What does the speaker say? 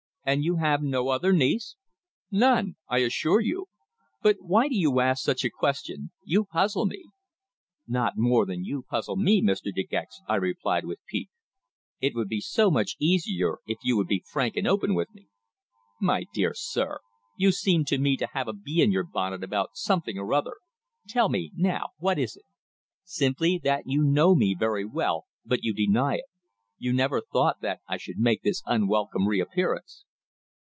"And you have no other niece?" "None I assure you. But why do you ask such a question? You puzzle me." "Not more than you puzzle me, Mr. De Gex," I replied with pique. "It would be so much easier if you would be frank and open with me." "My dear sir, you seem to me to have a bee in your bonnet about something or other. Tell me, now, what is it?" "Simply that you know me very well, but you deny it. You never thought that I should make this unwelcome reappearance."